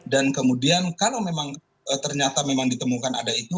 dan kemudian kalau memang ternyata memang ditemukan ada itu